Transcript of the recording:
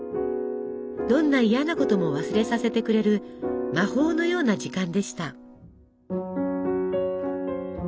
どんな嫌なことも忘れさせてくれる魔法のような時間でした。